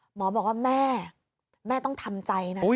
หมอบอกว่าแม่แม่ต้องทำใจนะ